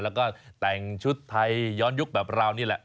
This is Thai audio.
แล้วก็แต่งชุดไทยย้อนยุคแบบเรานี่แหละ